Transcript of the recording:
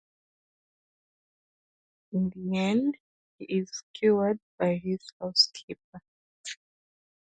In the end, he is cured by his housekeeper.